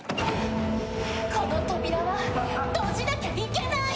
この扉は閉じなきゃいけない！